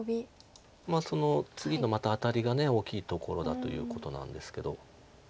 その次のまたアタリが大きいところだということなんですけど。